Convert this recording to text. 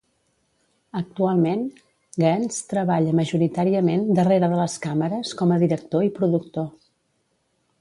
Actualment, Gaines treballa majoritàriament darrere de les càmeres com a director i productor.